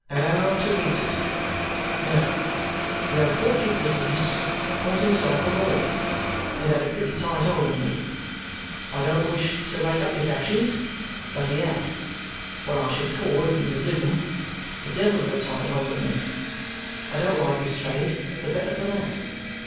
"How to meet it. Now, the unfortunate deceased was himself a lawyer and had a pretty tight hold of me. I don't wish to rake up his ashes, but he had, what I should call if he was living, a devil of a tight hold of me. I don't like his trade the better for that.